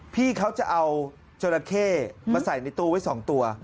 พี่เขาจะเอาจราเข้มาใส่ในตู้ไว้๒ตัว